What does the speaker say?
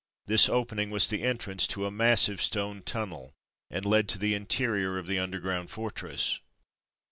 This opening was the entrance to a massive stone tunnel, and led to the interior of the underground fortress.